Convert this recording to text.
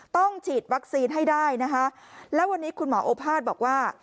ต้องฉีดวัคซีนให้ได้นะคะแล้ววันนี้คุณหมอโอภาษบอกว่า